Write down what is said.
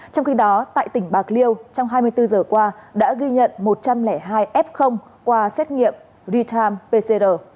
trong khi đó tại tỉnh bạc liêu trong hai mươi bốn giờ qua đã ghi nhận một trăm linh hai f qua xét nghiệm real time pcr